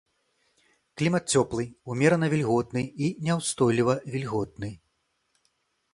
Клімат цёплы, умерана вільготны і няўстойліва вільготны.